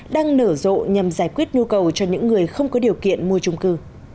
đang nở rộ nhằm giải quyết nhu cầu cho những người không có điều kiện mua trung cư